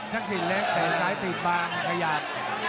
ทักศิลป์เล็กแต่ซ้ายตีบบางขยัก